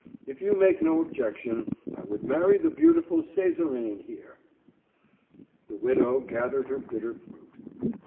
If you make no objection, I would marry the beautiful Césarine here." The widow gathered her bitter fruit.